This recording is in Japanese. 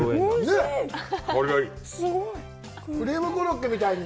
クリームコロッケみたいに。